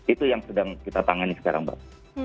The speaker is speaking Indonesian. itu yang sedang kita tangani sekarang mbak